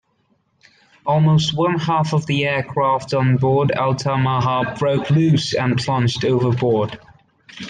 Almost one-half of the aircraft on board "Altamaha" broke loose and plunged overboard.